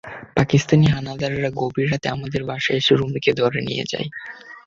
পাকিস্তানি হানাদাররা গভীর রাতে আমার বাসায় এসে রুমীকে ধরে নিয়ে যায়।